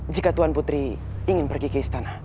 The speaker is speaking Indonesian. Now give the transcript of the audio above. jika tuan putri ingin pergi ke istana